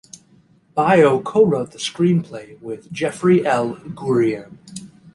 Baio co-wrote the screenplay with Jeffrey L. Gurian.